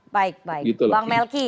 baik baik bang melki